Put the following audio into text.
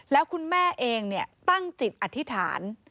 แล้วคุณแม่เองตั้งจิตอธิษฐาน